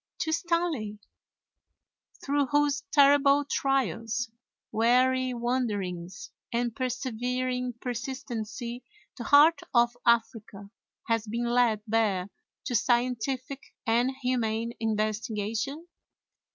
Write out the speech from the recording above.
to Stanley, through whose terrible trials, weary wanderings, and persevering persistency the heart of Africa has been laid bare to scientific and humane investigation?